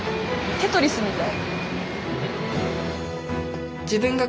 テトリスみたい！